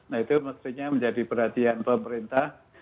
nah itu mestinya menjadi perhatian pemerintah